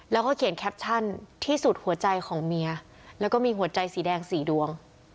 แล้วก็เขียนแคปชั่นที่สุดหัวใจของเมียแล้วก็มีหัวใจสีแดง๔ดวง